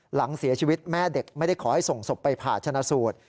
หลังเสียชีวิตแม่เด็กไม่ได้ขอให้ส่งศพไปผ่าชนะสูตร